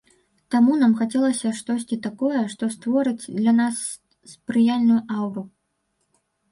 Таму нам хацелася штосьці такое, што створыць для нас спрыяльную аўру.